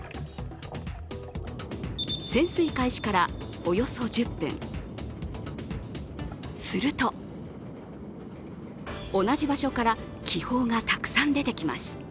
潜水開始からおよそ１０分、すると同じ場所から気泡がたくさん出てきます。